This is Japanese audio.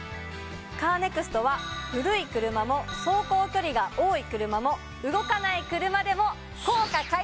カーネクストは古い車も走行距離が多い車も動かない車でも。